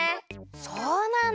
そうなんだ！